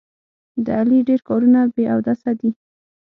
د علي ډېر کارونه بې اودسه دي.